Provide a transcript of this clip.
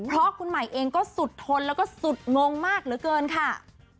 เพราะคุณใหม่เองก็สุดทนแล้วก็สุดงงมากเหลือเกินค่ะ